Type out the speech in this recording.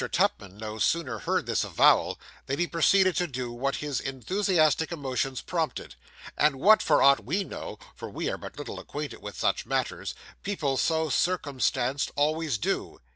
Tupman no sooner heard this avowal, than he proceeded to do what his enthusiastic emotions prompted, and what, for aught we know (for we are but little acquainted with such matters), people so circumstanced always do.